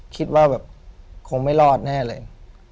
คิดว่าแบบคงไม่รอดแน่เลย